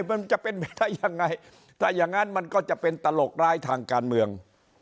มันจะเป็นไปได้ยังไงถ้าอย่างนั้นมันก็จะเป็นตลกร้ายทางการเมือง